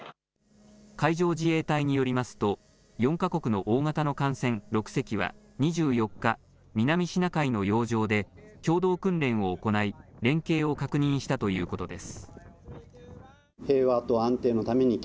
海上自衛隊によりますと４か国の大型の艦船６隻は２４日、南シナ海の洋上で共同訓練を行い連携を確認したということです。